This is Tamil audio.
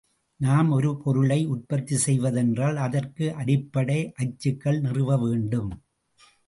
நாம் ஒரு பொருளை உற்பத்தி செய்வது என்றால் அதற்கு அடிப்படை அச்சுகள் நிறுவவேண்டும்.